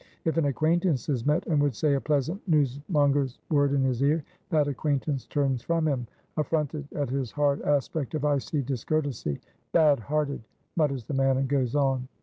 If an acquaintance is met, and would say a pleasant newsmonger's word in his ear, that acquaintance turns from him, affronted at his hard aspect of icy discourtesy. "Bad hearted," mutters the man, and goes on.